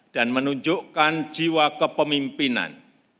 dan menunjukkan jiwa kepemimpinan